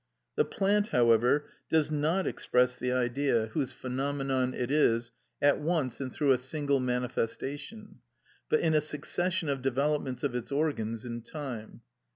The plant, however, does not express the Idea, whose phenomenon it is, at once and through a single manifestation, but in a succession of developments of its organs in time.